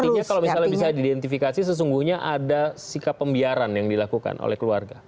artinya kalau misalnya bisa diidentifikasi sesungguhnya ada sikap pembiaran yang dilakukan oleh keluarga